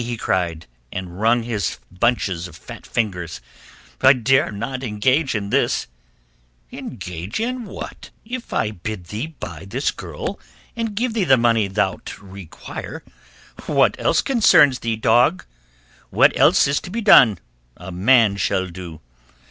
he cried, and wrung his bunches of fat fingers. "I dare not engage in this!" "Engage in what? If I bid thee go buy this girl, and give thee the money thou'lt require, what else concerns thee, dog? What else is to be done, a man shall do.